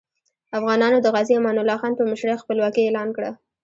افغانانو د غازي امان الله خان په مشرۍ خپلواکي اعلان کړه.